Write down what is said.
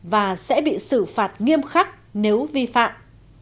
và sẽ bị xử phạt nghiêm khắc nếu vi phạm